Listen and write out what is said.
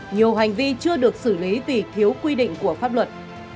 nhiều hành vi chưa được xử lý vì thiếu quy định của pháp luật